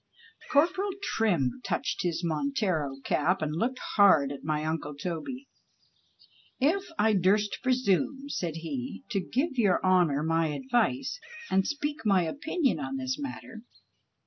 Corporal Trim touclied his Montero cap and looked hard at my uncle Toby, " If I durst pre sume," said he, " to give your honour my advice, and speak my ojnnion in this matter."